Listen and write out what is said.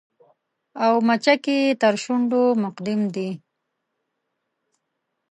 او مچکې تر شونډو مقدم دې